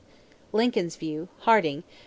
Lincoln's view, Harding, pp.